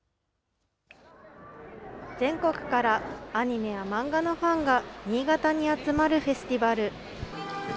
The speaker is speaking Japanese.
全国からアニメや漫画のファンが新潟に集まるフェスティバル。